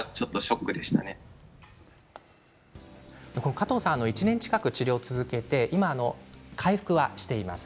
加藤さん、１年近く治療を続けて今、回復しています。